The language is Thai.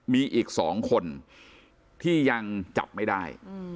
มีอีก๒คนที่ยังจับไม่ได้